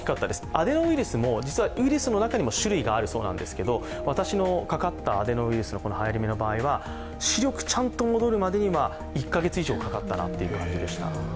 アデノウイルスも、実はウイルスの中にも種類があるそうなんですが、私のかかったアデノウイルスのはやり目の場合は視力ちゃんと戻るまでに１か月以上かかった感じでした。